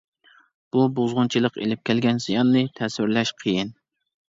بۇ بۇزغۇنچىلىق ئېلىپ كەلگەن زىياننى تەسۋىرلەش قىيىن.